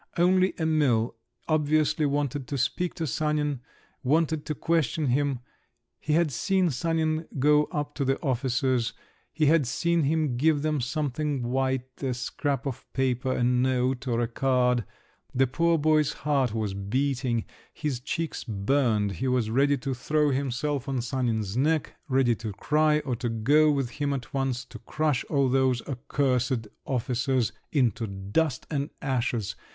Only Emil obviously wanted to speak to Sanin, wanted to question him; he had seen Sanin go up to the officers, he had seen him give them something white—a scrap of paper, a note, or a card…. The poor boy's heart was beating, his cheeks burned, he was ready to throw himself on Sanin's neck, ready to cry, or to go with him at once to crush all those accursed officers into dust and ashes!